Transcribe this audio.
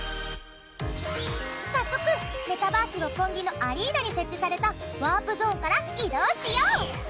早速メタバース六本木のアリーナに設置されたワープゾーンから移動しよう。